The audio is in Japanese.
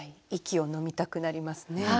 息をのみたくなりますね。